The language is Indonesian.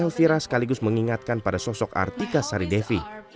elvira sekaligus mengingatkan pada sosok artika saridevi